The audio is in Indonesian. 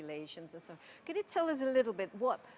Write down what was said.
bisa anda beritahu sedikit